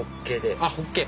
あっホッケ。